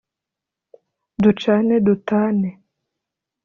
Ducane dutane